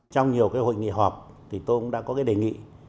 trong nhiều cái hội nghị họp thì tôi cũng đã có cái đề nghị